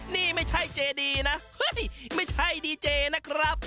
นี่ไม่ใช่เจดีนะเฮ้ยไม่ใช่ดีเจนะครับ